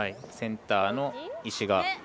センターの石が。